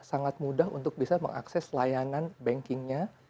sangat mudah untuk bisa mengakses layanan bankingnya